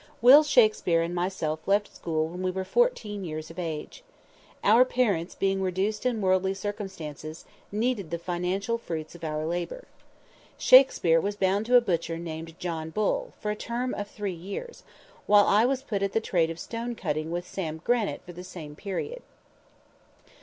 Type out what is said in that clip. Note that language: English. "_ Will Shakspere and myself left school when we were fourteen years of age. Our parents being reduced in worldly circumstances, needed the financial fruits of our labor. Shakspere was bound to a butcher named John Bull, for a term of three years, while I was put at the trade of stone cutting with Sam Granite for the same period.